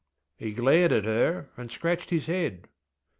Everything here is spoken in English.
ŌĆÖ He glared at her, and scratched his head.